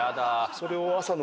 それを。